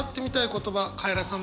言葉カエラさん